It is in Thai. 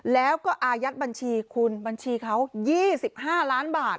แล้วก็อายัดบัญชีคุณบัญชีเขา๒๕ล้านบาท